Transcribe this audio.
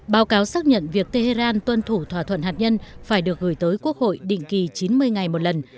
báo cáo xác nhận việc tehran tuân thủ thỏa thuận hạt nhân phải được gửi tới quốc hội định kỳ chín mươi ngày một lần